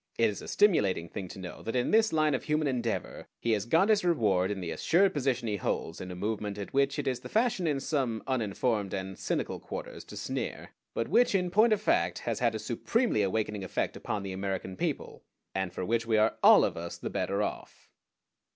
It is a stimulating thing to know that in this line of human endeavor he has got his reward in the assured position he holds in a movement at which it is the fashion in some uninformed and cynical quarters to sneer, but which in point of fact has had a supremely awakening effect upon the American people, and for which we are all of us the better off.